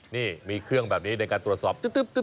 นี่มีเครื่องแบบนี้ในการตรวจสอบ